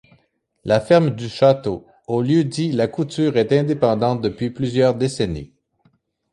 La ferme du château, au lieu-dit la Couture est indépendante depuis plusieurs décennies.